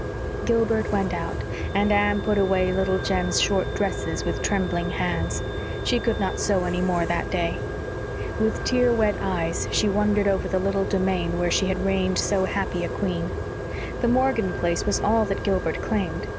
Gilbert went out, and Anne put away Little Jem's short dresses with trembling hands. She could not sew any more that day. With tear wet eyes she wandered over the little domain where she had reigned so happy a queen. The Morgan place was all that Gilbert claimed.